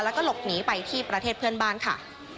แล้วก็หลบหนีไปที่ประเทศเพื่อนบ้านค่ะ